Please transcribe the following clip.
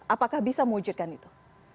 apakah bisa mewujudkan itu